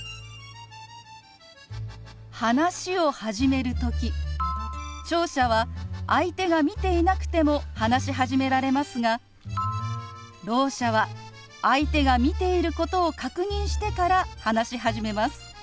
話を始める時聴者は相手が見ていなくても話し始められますがろう者は相手が見ていることを確認してから話し始めます。